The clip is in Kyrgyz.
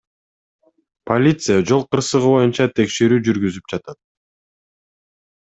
Полиция жол кырсыгы боюнча текшерүү жүргүзүп жатат.